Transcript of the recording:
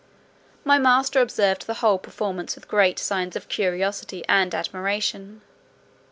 My master observed the whole performance with great signs of curiosity and admiration.